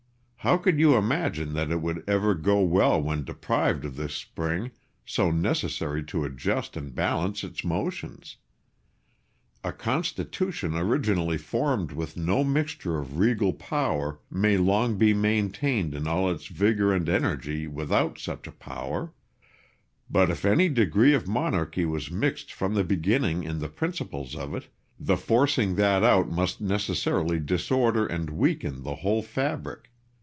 How could you imagine that it would ever go well when deprived of this spring, so necessary to adjust and balance its motions? A constitution originally formed with no mixture of regal power may long be maintained in all its vigour and energy without such a power; but if any degree of monarchy was mixed from the beginning in the principles of it, the forcing that out must necessarily disorder and weaken the whole fabric.